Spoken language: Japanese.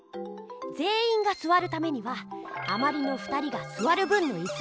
ぜんいんがすわるためにはあまりの２人がすわる分のいす